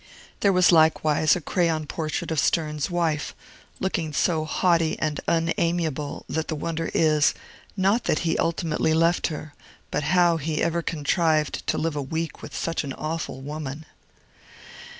There was likewise a crayon portrait of Sterne's wife, looking so haughty and unamiable, that the wonder is, not that he ultimately left her, but how he ever contrived to live a week with such an awful woman.